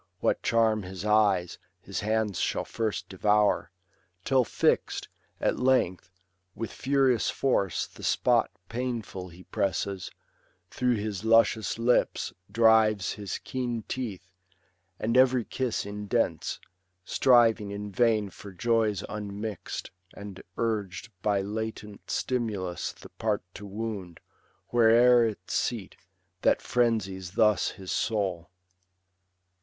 What charm his eyes, his hands shall first devour : Till fixt, at length, with furious force the spot Painful he presses, through his luscious lips B. IV. 1076— nor. LUCRETIUS. 185 Drives his keen teeth, and everj kiss indents ; Striving in vain for joys unmix'd, and urg'd By latent stimulus the part to wound, Where'er its seat, that frenzies thus his soul.